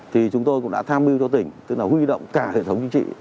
thì chúng tôi cũng đã tham mưu cho tỉnh tức là huy động cả hệ thống chính trị